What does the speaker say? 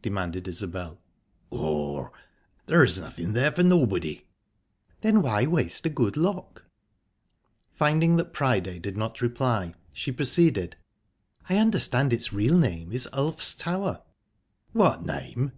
demanded Isbel. "Oh, there's nothing there for nobody." "Then why waste a good lock?"...Finding that Priday did not reply, she proceeded, "I understand its real name is Ulf's Tower?" "What name?"